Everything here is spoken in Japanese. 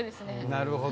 なるほど。